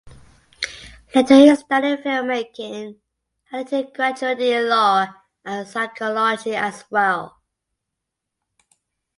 Later he studied film making and later graduated in law and psychology as well.